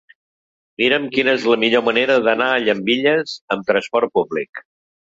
Mira'm quina és la millor manera d'anar a Llambilles amb trasport públic.